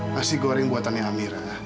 nasi goreng buatannya amira